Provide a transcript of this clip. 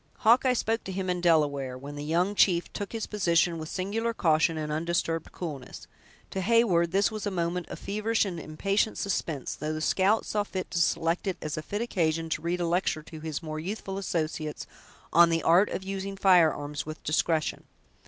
Hawkeye spoke to him in Delaware, when the young chief took his position with singular caution and undisturbed coolness. To Heyward this was a moment of feverish and impatient suspense; though the scout saw fit to select it as a fit occasion to read a lecture to his more youthful associates on the art of using firearms with discretion.